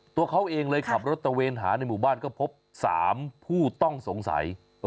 ตัวเขาเองเลยขับรถตะเวนหาในหมู่บ้านก็พบ๓ผู้ต้องสงสัย